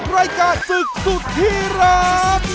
รายการศึกสุดที่รัก